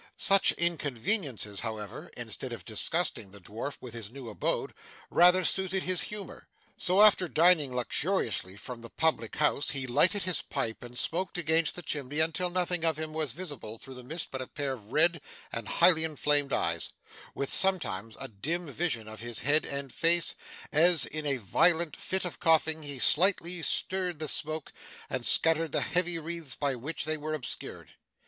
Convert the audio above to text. Such inconveniences, however, instead of disgusting the dwarf with his new abode, rather suited his humour; so, after dining luxuriously from the public house, he lighted his pipe, and smoked against the chimney until nothing of him was visible through the mist but a pair of red and highly inflamed eyes, with sometimes a dim vision of his head and face, as, in a violent fit of coughing, he slightly stirred the smoke and scattered the heavy wreaths by which they were obscured.